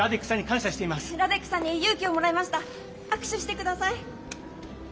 握手してください！